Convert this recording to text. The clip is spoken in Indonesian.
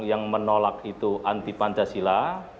yang menolak itu anti pancasila